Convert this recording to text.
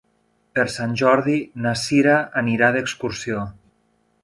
Per Sant Jordi na Cira anirà d'excursió.